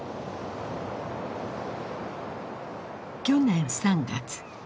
去年３月。